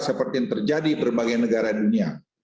seperti yang terjadi di berbagai negara dunia